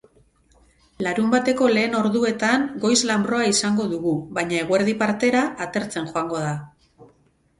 Larunbateko lehen orduetan goiz-lanbroa izango dugu baina eguerdi partera, atertzen joango da.